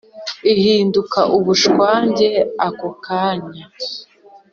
ihinduka ubushwange ako kanya